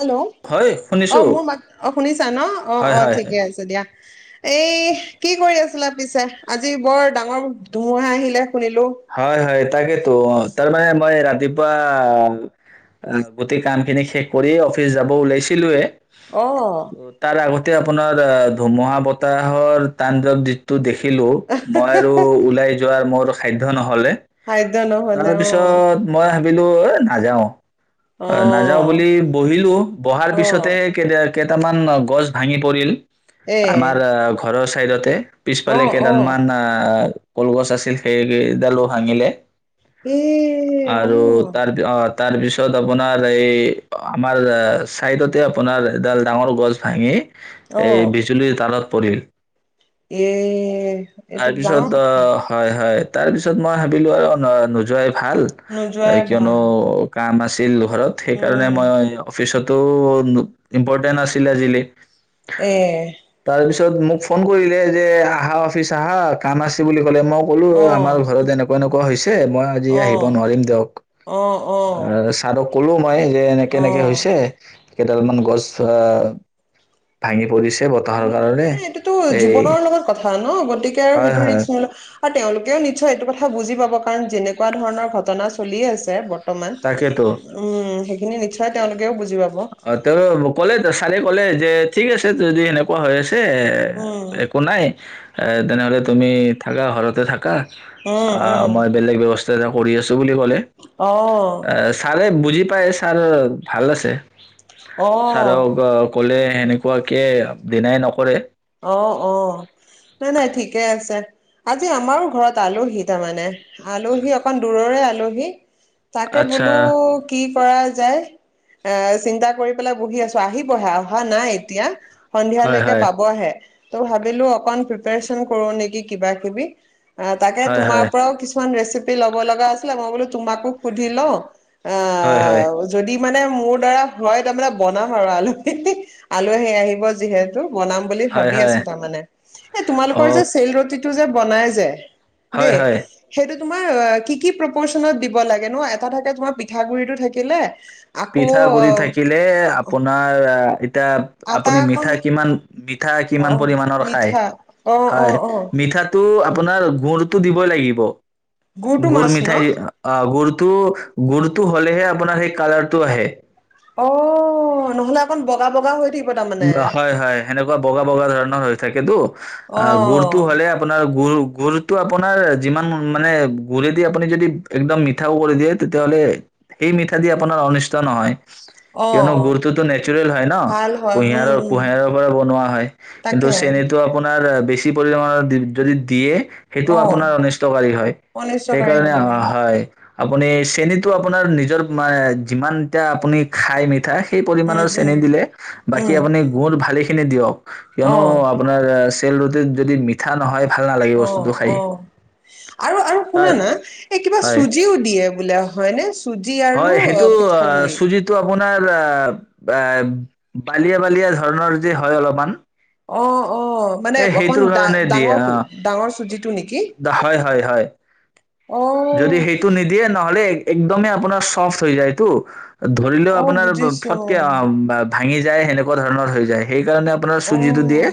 Hello হয় শুনিছো। অ মোৰ মাত অ শুনিছা ন অ হয়, অ হয়, হয়, ঠিকে আছে দিয়া এই কি কৰি আছিলা পিছে? আজি বৰ ডাঙৰ ধুমুহা আহিলে। শুনিলো হয়, হয় তাকে টো। তাৰমানানে মই ৰাতিপুৱা গোটেই কামখিনি শেষ কৰিয়ে অফিচ যাব ওলাইছিলোৱে। অ তাৰ আগত আপোনাৰ ধুমুহা বতাহৰ তাডৱটো দেখ দিলো মই আৰু ওলাই যোৱা মোৰ সাধ্য নহ'লে খাদ্য নহলে অ তাৰপিছত মই ভাবি [unintelligible] অ নাযাও অ নাযাও বুলি বহিলো বহাৰ অ পিছতে কে কেইটামান গছ ভাঙি পৰিল। এ আমাৰ ঘৰৰ চাইদতে অ পিছফালে অ কেদালমান কলগছ আছিল সেই ডালো ভাঙিলে এ অ আৰু তাৰ পিছত আপোনাৰ এই আমাৰ চাইডতে আপোনাৰ এডাল ডাঙৰ গছ ভাঙি অ এই বিজুলীৰ ডালত পৰিল এ এইটো তাৰপিছত ডাঙৰ কথা অ হয় হয় তাৰ পিছত মই ভাবিলো আৰু নোযোৱাই ভাল নোযোৱাই কিয়নো ভাল কাম আছে তেলু ঘৰত সেইকাৰণে উম মই অফিচত ইম্পৰ্টেন আছিলে আজিলি এ তাৰপিছত মোক ফোন কৰিলে যে আহা অফিচ আহা কাম আছে বুলি ক'লে মোক ক'লো অ আমাৰ ঘৰত এনেকুৱা এনেকুৱা হৈছে ছে মই আজি অ আহিব নোৱাৰিম দিয়ক অ অ ছাৰক কলোম মই যে এনেকে এনেকে অ হৈছে কেইডাল মান গছ আহ ভাঙি পৰিছে বতাহৰ মানে কাৰণে মানে এইটোতো এই জীৱনৰ লগত কথা ন গতিকে আৰু হয় সেইটো হয় ৰিক্স [unintelligible] আৰু তেওঁলোকেও নিশ্চয় এইটো কথা বুজি পাব কাৰণ যেনেকুৱা ধৰণৰ ঘটনা চলি আছে তাকেতো উম সেইখিনি নিশ্চয় সতোল [unintelligible] অ' তেওঁ ক'লে টো চাৰেও ক'লে যে ঠিক আছে যদি এনেকুৱা হৈ আছে। যে উম একো নাই এ তেনেহ'লে তুমি থাকা ঘৰতে থাকা। উম অ' উম মই বেলেগ ব্যৱস্থা জ [unintelligible] কৰি আছো। বুলি কলে। অ ছাৰে বুজি পাই ছাৰ ভাল আছে। হয়। অ ছাৰক ক'লে। সেনেকুৱাকে ডনাই নকৰে। অ', অ', নাই, নাই ঠিকেই আছে। আজি আমাৰো ঘৰত আলহী তাৰমানে আলহী অকণ দূৰৰে আলহী। তাকে আচ্ছা বোলো কি কৰা যায় এ চিন্তা কৰি পেলাই বহি আছো আহিবহে অহা নাই এতিয়া। হয় সন্ধিয়ালৈকে হয় পাব। ত' ভাবিলো অক প্ৰিপন কৰো নেকি কিবা কিবি। অ', তাকে হয় তোমাৰ হয় পৰাও কিছুমান ৰেচিপি পিছত ল'ব লগা আছিলে বোলো তোমাকো শুধি লওঁ। আ, হয় হয় যদি মানে মোৰ দাৰা হয় তাৰমানানে বনাম আৰু আলু খে আলু আহে আহিব যিহেতু। বনাম বুলি হয় ভাবি হয় আছো তাৰ মানে এ অ তোমালোকৰ যে চেল টিটো যে বনাই যে। হয় দেই হয় সেইটো তোমাৰ কি কি প্ৰপচনত দিব লাগে নো এটা থাকে তোমাৰ পিঠাগুৰিটো থাকিলে আকৌ পিঠাগুৰি থাকিলে আপোনাৰ এতিয়া আটা আপুনি অকণ মিঠা কিমান মিঠা অ কিমান পৰিমাণৰ খায় মিঠা অ অ হয়, অ মিঠাটো আপোনাৰ গুড়টো দিবই লাগিব। গুৰটো গুড় মাছ ন মিঠাই অ', গুড় গুৰটো হ'লেহে আপোনাৰ সেই কাল টো আহে। অ নহ'লে অকণ বগা বগা হৈ দিম বা হয়, হয় সেনেকুৱা বগা বগা ধৰণৰ হৈ থাকে তো। অ', গুড়টো হ'লে আপোনাৰ গুড় গুড় টো আপোনাৰ যিমান মানে গুড়েদি আপুনি যদি একদম মিঠাও কৰি দিয়ে তেতিয়াহ'লে এই মিঠা দি আপোনাৰ অনিষ্ট নহয়। অ কিয়নো গুড়তোতো নেচাৰেল হয় ন'? ভাল হয় উম কুঁহিয়াৰৰ উম কুঁহিয়াৰৰ পৰা বনোৱা হয় কিন্তু তাকে চেনিটো আপোনাৰ তাৰ বেছি পৰিমাণৰ যদি দিয়ে সেইটো অ আপোনাৰ অনিষ্টকাৰী হয় অনিষ্টকাৰী সেইকাৰণে হ'ব আহ উম হয় আপুনি চেনীটো আপোনাৰ নিজৰ মান যিমান এতিয়া আপুনি খাই মিঠাই সেই পৰিমাণৰ চেনি উম দিলে বাকী উম আপুনি গুৰ ভালেখিনি দিয়ক। অ কিয়নো আপোনাৰ তেল ৰুটিত যদি মিঠা নহয় ভাল নালাগে অ বস্তুটো খাই অ আৰু আৰু তাৰ শুনানা এই কিবা হয় চুজিও দিয়ে বোলে হয়নে? চুজি আৰু হয় অ সেইটো পিঠাগুৰি চুজিটো আপোনাৰ এ বালিয়া, বালিয়া ধৰণৰ যে হয় অলপমান। অঁ অ' মানে এ সেইটোৰ অকণমান ডা কাৰণে দিয়ে অ ডাঙৰটো ডাঙৰ চুজিটো নেকি? হয় অ [inaudible] যদি সেইটো নিদিয়ে নহ'লে একদমেই আপোনাৰ চফ্ট হৈ যায়তো ধৰিলেও অ আপোনাৰ বুজিছো ফটকে অ ভাঙি যায় সেনেকুৱা ধৰণৰ হৈ যায়। সেইকাৰণে আপোনাৰ অ চুজিটো দিয়ে।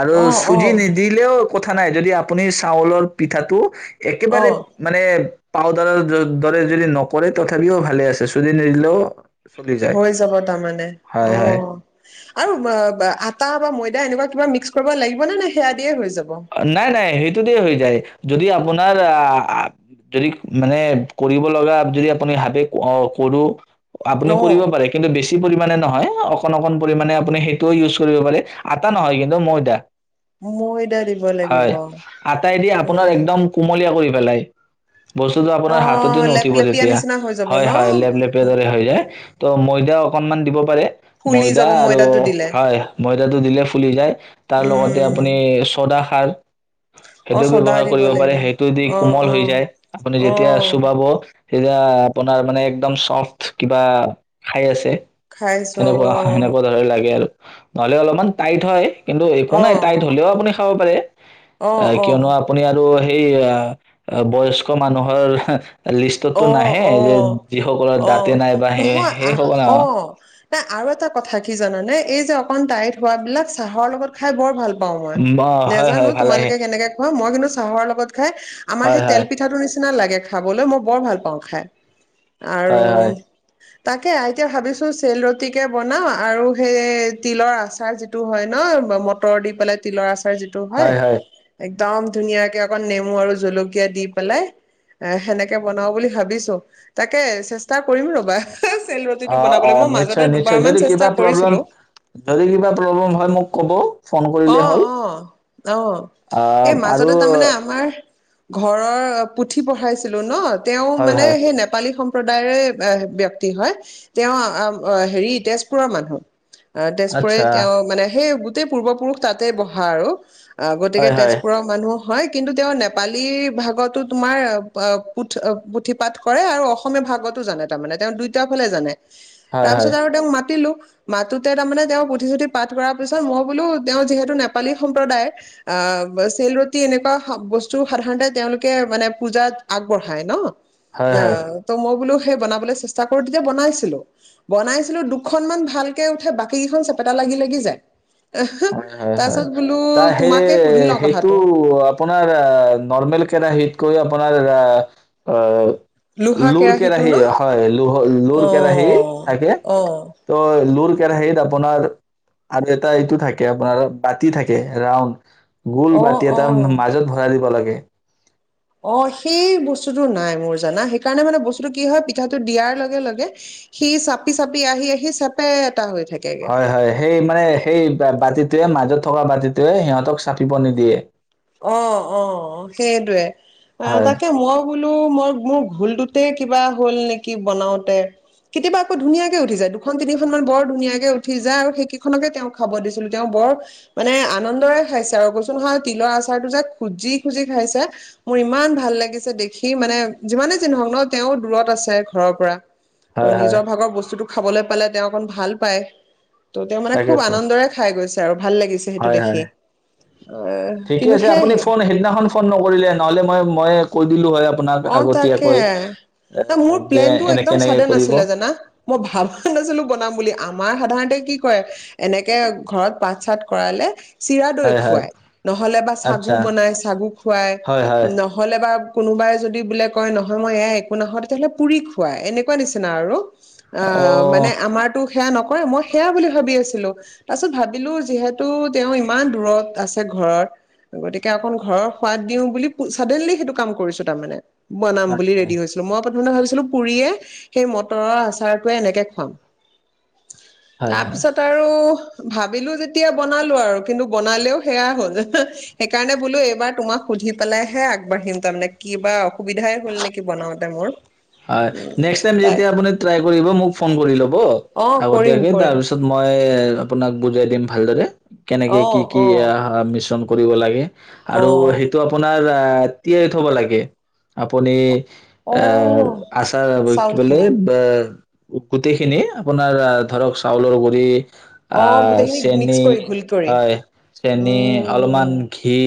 আৰু অ অ চুজি নিদিলেও কথা নাই যদি আপুনি চাউলৰ পিঠাটো অ একেবাৰে মানে পাউদাৰৰ দৰে যদি নকৰে তথাপিও ভালে আছে চুজি নিদিলেও চলি যায় হৈ যাব তাৰ মানে হয় অ হয় আৰু আটা বা ময়দা এনেকুৱা কিবা মিক্স কৰিব লাগিব নে সেয়া দিয়ে হৈ যাব? অ' নাই নাই সেইটো দিয়ে হৈ যায়। যদি আপোনাৰ আ যদি মানে কৰিব লগা যদি আপুনি ভাবে অ কৰো আপুনি অ কৰিব পাৰে। কিন্তু বেছি পৰিমাণে নহয়, অকণ অকণ পৰিমাণে আপুনি সেইটোও ইউজ কৰিব পাৰে আটা নহয়, কিন্তু ময়দা। মোৰ এ হয়, আটাইদি আপোনাৰ একদম কুমলীয়া কৰি পেলাই বস্তুটো অ আপোনাৰ হাততে লেপ নুঠিব লেপিয়া তেতিয়া নিচিনা হৈ যাব হয়, হয় লেপ লেপ ন দৰে হৈ যায়। তো ময়দা অকণমান দিব পাৰে। ফুলি ময়দা যাব আৰু ময়দাটো দিলে হয়, ময়দাটো দিলে ফুলি যায় তাৰ লগতে উম আপুনি [unintelligible] অ সেইটো চদা ব্যৱহাৰ দিব কৰিব পাৰে লাগিব সেইটো দি অ কোমল অ হৈ যায়, আপুনি অ যেতিয়া চোবাব তেতিয়া আপোনাৰ মানে একদম চফ্ট কিবা খাই আছে খাইছো সেনেকুৱা সেনেকুৱা দৰে লাগে আৰু। নহ'লে অলপমান টাইট হয় কিন্তু একো অ নাই টাইত হ'লেও আপুনি খাব পাৰে। অ এ অ কিয়নো আপুনি আৰু সেই বয়স্ক মানুহৰ অ অ লিষ্টতটো নাহে অ যে, যিসকলৰ অ দাঁতে নাই বা সেই সেইসকলে অ' এ আৰু এটা কথা কি জানানে এই যে অকন টাইট হোৱাবিলাক চাহৰ লগত খাই বৰ ভাল মই ম, হয় হয় নেজানো ভালে হয় তোমালোকে কেনেকে খোৱা মই কিন্তু চাহৰ লগত খাই আমাৰ হয় সেই তেল হয় পিঠাটো নিচিনা লাগে। খাবলৈ মোক বৰ ভাল পাওঁ খাই। আৰু হয় হয় তাকে এতিয়া ভাবিছো চেল টিকে বনাওঁ আৰু সেই তিলৰ আচাৰ যিটো হয় ন' মটৰ দি পেলাই তিলৰ আচাৰ যিটো হয় এক একদম ধুনীয়াকে অকণ নেমু আৰু জলকীয়া দি পেলাই এ সেনে তাকে বনাও বুলি ভাবিছো তাকে চেষ্টা কৰিম ৰ'বা। চেল অ', ৰুটিটো বনাবলৈ অ', মই নিশ্চয়, মাজতে নিশ্চয় যদি দুবাৰমান কিবা চেষ্টা প্ৰব্লেম কৰিছিলো যদি কিবা প্ৰব্লেম হয় মোক ক'ব। ফোন কৰিলে হ'ল। অ', অ', আহ এই আৰু মাজতে তাৰমানে আমাৰ ঘৰৰ পুথি পঢ়াইছিলো ন'। তেওঁ হয় মানে হয় সেই নেপালী সম সম্প্ৰদায়ৰে ব্য্য়ক্তি হয় তেওঁ আহ হেৰি তেজপুৰৰ মানুহ। অ তেজপুৰৰে আচ্ছা তেওঁ মানে সেই। গোটেই পূৰ্বপুৰুষ তাতে বহা আৰু। অ গতিকে হয় হয় তেজপুৰৰ মানুহ। হয় কিন্তু তেওঁ নেপালী ভাগতো তোমাৰ পু পুথি পাঠ কৰে আৰু অসমীয়া ভাগতো জানে তাৰমানে তেওঁ দুইটাাৰ ফালে জানে। হয় তাৰ হয় পিছত আৰু তেওঁক মাতিলো। মাতোতে তাৰমানে তেওঁ পুিশুতি পাঠ কৰাৰ পিছত মই। বোলো তেওঁ যিহেতু নেপালী সম্প্ৰদায় আহ চেল ৰটি এনেকুৱা বস্তু সাধাৰণতে তেওঁলোকে মানে পুজাত আগবঢ়ায় ন। হয় অ হয় ত মই বোলো। বনাবলৈ চেষ্টা কৰো তেতিয়া বনাইছিলো বনাইছিলো দুখনমান ভালকে উঠে বাকী কেইখন চেপেটা লাগি লাগি যায়। হয় হয় তাৰ হয় পাছত বোলো তাৰ সেই তোমাকে সুধি লওঁ সেইটো কথাটো আপোনাৰ নৰ্মেল কেৰাহীটো। কৈ আপোনাৰ এ। লোহা লুৰ কেৰাহীটো কেৰাহী ন হয় ল লুৰ কেৰাহী থাকে অ অ ত লুৰ। সেইত আপোনাৰ আৰু এটা এইটো থাকে। আপোনাৰ বাতি থাকে ৰাউণ্। গোল অ বাতি এটা অ মাজত ভৰাই দিব লাগে। [unintelligible] অ সেই বস্তুতো নাই মোৰ জানা সেইকাৰণে মানে বস্তুটো কি হয় পিঠাটো দিয়াৰ লগে লগে সি চাপি চাপি আহি আহি চেপে। হয় হয় সেই মানে সেই। বাতিটোৱে মাজত থকা বাতিটোৱে সিহঁতক চাপিব নিদিয়ে। অ অ সেইটয়ে। অ হয়, তাকে মই। বলো মই মোৰ ঘোলটোতে কিবা হল নেকি বনাওতে কেতিয়াবা আকৌ ধুনীয়াকে উঠি যায় দুখন তিনিখন মান বৰ ধুনীয়াকে উঠি যায় আৰু সেইকেইখনকে তেওঁক খাব দিছিলো তেওঁ বৰ মানে আনন্দৰে খাইছে আৰু কচোন হয় তিলৰ আ। াৰ যোক খুজি খুজি খাইছে মোৰ ইমান ভাল লাগিছে দেখি মানে যিমানে চিহওক ন তেওঁ দূৰত আছে ঘৰৰ পৰা। ত' হয়, হয়। নিজৰ ভাগৰ বস্তুতটো। খাবলৈ পালে তেওঁ অকণ ভাল পায়। ত' তেওঁ মানে খুব তাকেতো। আনন্দৰে খাই গৈছিল। ভাল লাগিছে সেইটো দেখি আহ। ঠিক আছে আপুনি ফোন সেইদিনাখন ফোন নকৰিলে নহ'লে মই। মই কৈ দিলো হয়। আপোনাক অ তাকে আগতীয়াকৈ এ ন মোৰ যে প্লেন টো এনেকে একদম এনেকে চাদেন কৰিব। আছিলে জানা মই ভাবা নাছিলো বনাম বুলি। আমাৰ সাধাৰণতে কি কৰে এনেকে ঘৰত পাঠ চাত কৰালে। চিৰা দৈ হয়, হয়। খুৱাই নহ'লে বা চাগু আচ্ছা। বনাই চাগু খুৱাই হয়, হয়। নহ'লে বা। কোনোবাই যদি বোলে কয় নহয় মই এাই একো নাহওঁ তেতিয়াহ'লে পুৰি খুৱাই এনেকুৱা নিচিনা আৰু অ মানে আমাৰতো সেয়া নকৰে মই সেয়া বুলি ভাবি আছিলো তাৰ পিছত ভাবিলো যিহেতু তেওঁ ইমান দূৰত আছে ঘৰৰ গতিকে অকন ঘৰৰ সোৱাদ দিও বুলি ছাদেনলি সেইটো কাম কৰিছিলো মনে বনাম হয়, বুলি ৰেডি হৈছিলো মই মে ভাবিছিলো পুৰিয়ে সেই মটৰৰ আচাৰটোৱে এনেকে খুৱাম হয়, হয়। তাৰপিছত আৰু ভাবিলো যেতিয়া বনালো আৰু কিন্তু বনালেও সেয়া হ'ল সেইকাৰণে বোলো এইবাৰ তোমাক সুধি পেলাই হে আগবাঢ়িম তাৰমানে কিবা সুবিধাই হ'ল নেকি বনাওঁতে মোৰ হয় তাক ফোন কৰি ল'ম হ অ কৰিম আগতীয়াকে কৰিম তাৰপিছত মই আপোনাক বুজাই দিম ভালদৰে কেনেকে অ কি কি অ মিশন কৰিব লাগে অ আৰু সেইটো আপোনাৰ আৰু এতিয়াই থব লাগে আপুনি অ আচাৰ কি চাউল বোলে খিনি বা গোটেইখিনি আপোনাৰ ধৰক চাউলৰ গুৰিি অ আহ গোটেইখিনি মিক্স চেনী কৰি ঘোল কৰি হয় চেনী অলপমান উম ঘি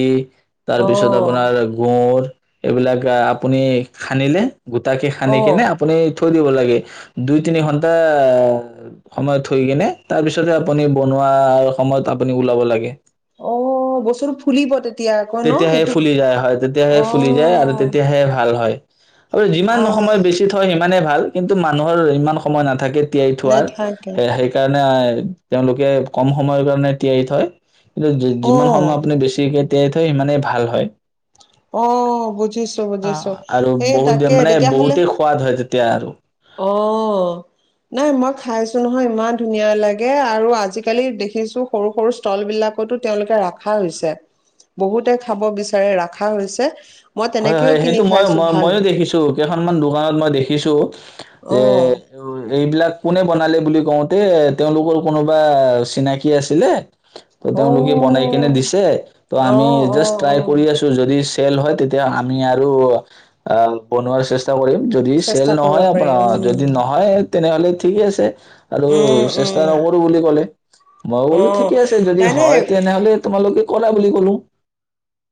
অ তাৰপিছত আপোনাৰ গুৰ এইবিলাক আপুনি খানিলে গোট সানি অ কেনে আপুনি থৈ দিব লাগে দুই তিনি ঘন্টা সময়ত থৈ কিনে তাৰপিছতে আপুনি বনোৱাৰ সময়ত আপুনি ওলাব লাগে অ বস্তুটো ফুলিব তেতিয়া আকৌ ন তেতিয়াহে সেইটো ফুলি যায় হয় তেতিয়াহে অ ফুলি যায় আৰু তেতিয়াহে ভাল হয় আৰু যিমান নহয় আহ সময় বেছি থয় সিমানে ভাল কিন্তু মানুহৰ ইমান সময় নাথাকে তিয়াই থোৱাৰ নেথাকে স সেইকাৰণে তেওঁলোকে কম সময়ৰ কাৰণে তিয়াৰ থয় অ যিমান সময় আপুনি বেছিকে তে', -থৈ, সিমানেই ভাল হয়। অ', বুজিছোঁ, বুজিছোঁ। আৰু বহুত সেইটাকে, মানে তেতিয়াহ'লে বহুতেই সোৱাদ হয় যে তেতিয়া আৰু অহ ', নাই, মই খাইছোঁ নহয়। ইমান ধুনীয়া লাগে। আৰু আজিকালি দেখিছোঁ সৰু-সৰু স্থলবিলাকতো, তেওঁলোকে ৰাখা হৈছে। বহুতে খাব বিচাৰে, ৰাখা হৈছে। মই হয়, তেনেকেও হয়। কিনি সেইটো মই, খাইছো ভাল ময়ো দেখিছোঁ। কেইখনমান দোকানত মই দেখিছোঁ। অ', - এইবিলাক কোনে বনালে বুলি কওঁতে, তেওঁলোকৰ কোনোবা চিনাকি আছিলে ত', অ তেওঁলোকে বনাই কেনে দিছে। ত', অ আমি অ জাষ্ট ট্ৰাই অ কৰি আছোঁ, যদি তেল হয় তে তেতিয়া আমি আৰু, আ, '- বনোৱাৰ চেষ্টা কৰিম। যদি চেষ্টা চেল নহয়, কৰিব পাৰি আপোনাৰ যদি উম। নহয়, তেনেহ'লে ঠিক আছে, আৰু উম চেষ্টা উম নকৰোঁ বুলি ক'লে। মই অ বু'লোঁ, ঠিকে আছে। যদি নাই নাই হয়, তেনেহ'লে তোমালোকে ক'লা বুলি ক'লোঁ।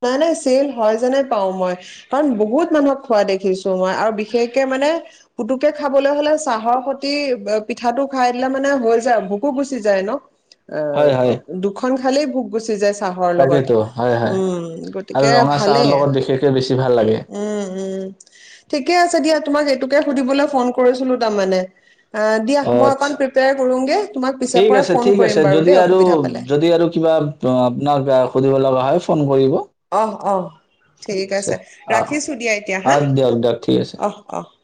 নাই', -নাই চেল হয়, যেনে পাওঁ মই। কাৰণ বহুত মানুহক খোৱা দেখিছোঁ মই। আৰু বিশেষকে, মানে পুতুকে খাবলৈ হ'লে, চাহৰ সৈতে পিঠাটো খাই দিলে, মানে, হৈ যায়। ভোকো গুচি যায় ন? আ, হয় হয় 'দুখন খালেই ভোক গুচি যায়। চাহৰ লগত, তাকেতো হয় হয় উম',। আৰু গতিকে, ৰঙা চাহৰ ভালেই। লগত বিশেষকে বেছি ভাল লাগে উম', -উম ', ঠিকে আছে দিয়া, তোমাক এইটোকে সুধিবলৈ ফোন কৰিছিলো তাৰমানে, আহ দিয়া মই অ', অকণ আচ্ছা। প্ৰিপেয়াৰ কৰোগে তোমাক পিছে ঠিক পৰা আছে, ফোন ঠিক কৰিম আছে। বাৰু যদি দেই আৰু, অসুবিধা পালে যদি আৰু কিবা আপোনাক, আ সুধিব লগা হয়, ফোন কৰিব, অহ, অহ। ঠিক আছে। ৰাখিছোঁ দিয়া এতিয়া। অ দিয়ক দিয়ক ঠিক আছে অহ, অহ। [inaudible]